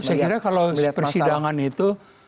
saya kira kalau persidangan itu